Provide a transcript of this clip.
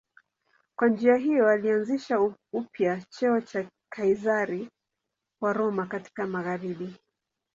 Kwa njia hiyo alianzisha upya cheo cha Kaizari wa Roma katika magharibi.